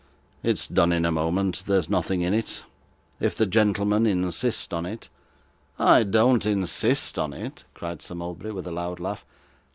'It is done in a moment; there is nothing in it. If the gentlemen insist on it ' 'I don't insist on it,' said Sir Mulberry, with a loud laugh.